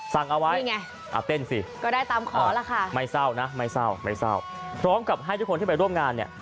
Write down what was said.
สั่งเอาไว้อ่ะเต้นสิไม่เศร้านะไม่เศร้าพร้อมกับให้ทุกคนที่ไปร่วมงานเนี่ย